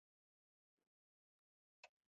کله چې حساسه مقطعه رارسېږي.